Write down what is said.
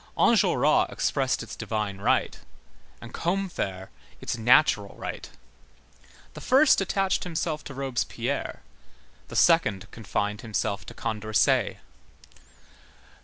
Enjolras expressed its divine right, and Combeferre its natural right. The first attached himself to Robespierre; the second confined himself to Condorcet.